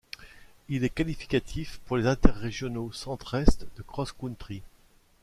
Il est qualificatif pour les Interrégionaux Centre-Est de cross-country.